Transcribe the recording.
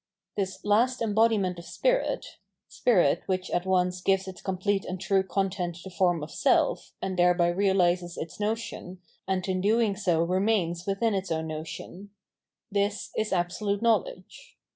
This last embodiment of spirit — spirit which at once gives its complete and true content the form of self, and thereby realises its notion, and in doing so remams within its own notion — ^this is Absolute Know ledge.